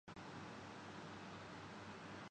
کام شروع کرنے کے لیے حوصلہ افزائی کی ضرورت محسوس کرتا ہوں